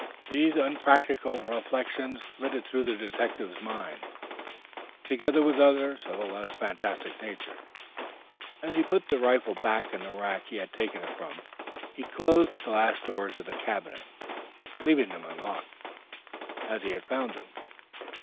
These unpractical reflections flitted through the detective's mind, together with others of a less fantastic nature, as he put the rifle back in the rack he had taken it from. He closed the glass doors of the cabinet, leaving them unlocked, as he had found them.